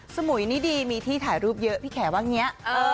สมุยนี่ดีมีที่ถ่ายรูปเยอะพี่แขว่าอย่างนี้